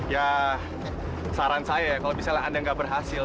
ya saran saya kalau misalnya anda tidak berhasil